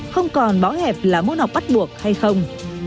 không còn bó hẹp là môn học bắt buộc hay không